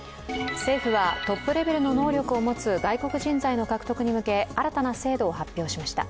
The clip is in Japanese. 政府は、トップレベルの能力を持つ外国人材の獲得に向け新たな制度を発表しました。